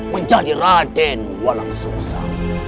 menjadi praden walau susah